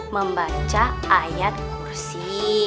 membaca ayat kursi